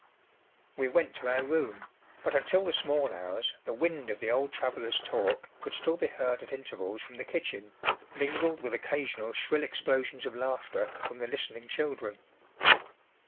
We went to our room, but until the small hours the wind of the old traveller's talk could still be heard at intervals from the kitchen, mingled with occasional shrill explosions of laughter from the listening children.